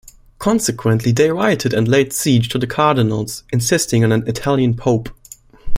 Consequently, they rioted and laid siege to the cardinals, insisting on an Italian Pope.